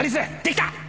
できた！